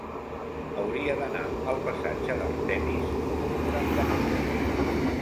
Hauria d'anar al passatge d'Artemis número noranta-nou.